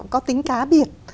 có tính cá biệt